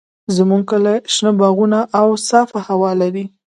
زموږ کلی شنه باغونه او صافه هوا لري.